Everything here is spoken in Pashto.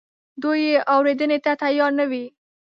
دوی یې اورېدنې ته تیار نه وي.